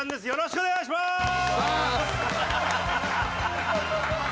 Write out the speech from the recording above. よろしくお願いします！